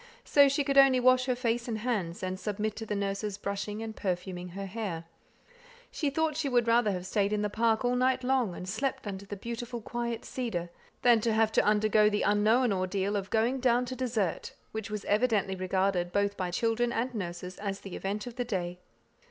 So she could only wash her face and hands, and submit to the nurse's brushing and perfuming her hair. She thought she would rather have stayed in the park all night long, and slept under the beautiful quiet cedar, than have to undergo the unknown ordeal of "going down to dessert," which was evidently regarded both by children and nurses as the event of the day.